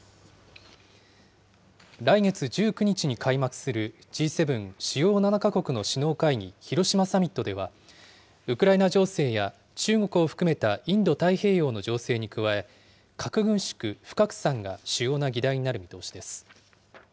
来月１９日に開幕する、Ｇ７・主要７か国の首脳会議、広島サミットでは、ウクライナ情勢や、中国を含めたインド太平洋の情勢に加え、核軍縮・不拡散が主要な議題になる見通しです。